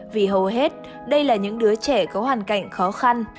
vì hầu hết đây là những đứa trẻ có hoàn cảnh khó khăn